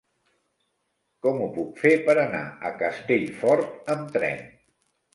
Com ho puc fer per anar a Castellfort amb tren?